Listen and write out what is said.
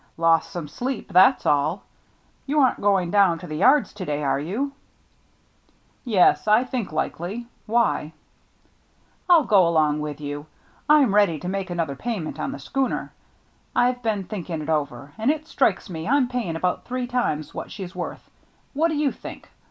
Lost some sleep — that's all. You aren't going down to the yards to day, are you ?"" Yes — I think likely. Why ?" "I'll go along with you. I'm ready to make another payment on the schooner. I've been thinking it over, and it strikes me I'm paying about three times what she's worth. What do you think